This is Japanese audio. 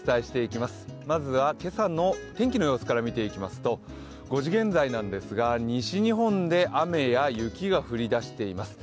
まずは今朝の天気の様子から見ていきますと、５時現在なんですが西日本で雨や雪が降り出しています。